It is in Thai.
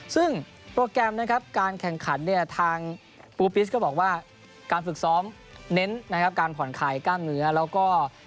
ซึ่งโปรแกรมนะครับการแข่งขันเนี่ยทางปูปิสก็บอกว่าการฝึกซ้อมเน้นนะครับการผ่อนคลายกล้ามเนื้อแล้วก็